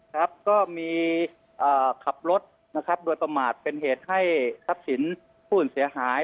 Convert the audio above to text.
ครับก็มีขับรถนะครับโดยประมาทเป็นเหตุให้ทรัพย์สินผู้อื่นเสียหาย